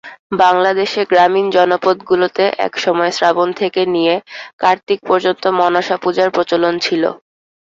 বাংলাদেশের গ্রামীণ জনপদগুলোতে একসময় শ্রাবণ থেকে নিয়ে কার্তিক পর্যন্ত মনসাপূজার প্রচলন ছিল।